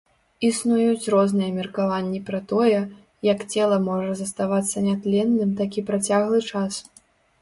Існуюць розныя меркаванні пра тое, як цела можа заставацца нятленным такі працяглы час.